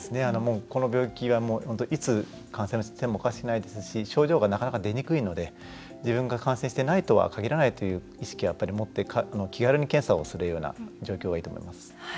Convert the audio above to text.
この病気はいつ感染してもおかしくないですし症状がなかなか出にくいので自分が感染してないとは限らないという意識を持って気軽に検査をするような状況がいいと思います。